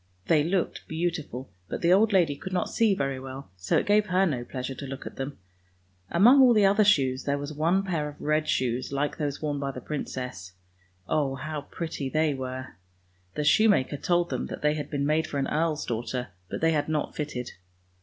They looked beautiful, but the old lady could not see very well, so it gave her no pleasure to look at them. Among all the other shoes there was one pair of red shoes like those worn by the princess; oh, how pretty they were. The shoemaker told them that they had been made for an earl's daughter, but they had not fitted.